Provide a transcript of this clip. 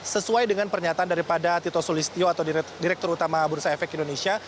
sesuai dengan pernyataan daripada tito sulistyo atau direktur utama bursa efek indonesia